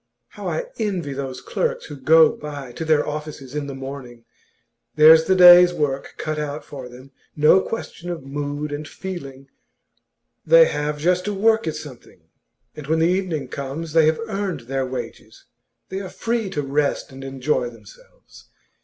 How I envy those clerks who go by to their offices in the morning! There's the day's work cut out for them; no question of mood and feeling; they have just to work at something, and when the evening comes, they have earned their wages, they are free to rest and enjoy themselves.